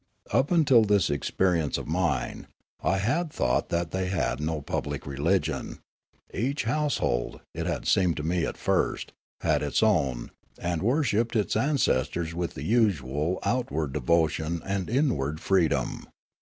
Up till this experience of mine, I had thought that they had no public religion ; each household, it had seemed to me at first, had its own, and worshipped its ancestors with the usual outward devotion and inward freedom.